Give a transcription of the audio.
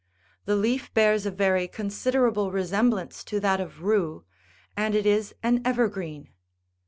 The leaf bears a very considerable resemblance to that of rue, and it is an ever green.